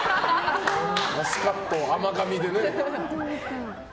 マスカット、甘がみでね。